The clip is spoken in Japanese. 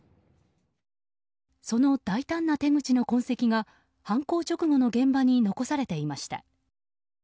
その大胆な手口の痕跡が犯行直後の現場に残されていました。